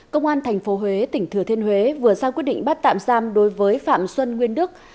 công an tp huế tỉnh thừa thiên huế vừa ra quyết định bắt tạm giam đối với phạm xuân nguyên đức